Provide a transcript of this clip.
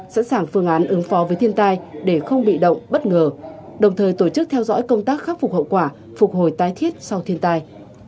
sẵn sàng phương án ứng phó với thiên tai để không bị động bất ngờ đồng thời tổ chức theo dõi công tác khắc phục hậu quả phục hồi tái thiết sau thiên tai